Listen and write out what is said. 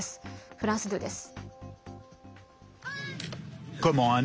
フランス２です。